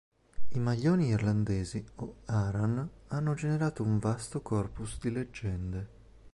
I maglioni irlandesi, o Aran, hanno generato un vasto corpus di leggende.